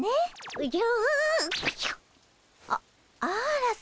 おじゃ。